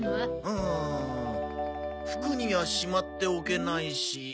うーん服にはしまっておけないし。